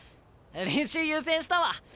練習優先したわ！